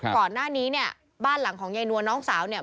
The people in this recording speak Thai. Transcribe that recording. ก่อนหน้านี้เนี่ยบ้านหลังของยายนวลน้องสาวเนี่ย